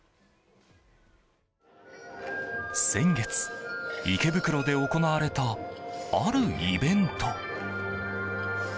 先月、池袋で行われたあるイベント。